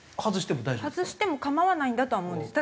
外しても構わないんだとは思うんです。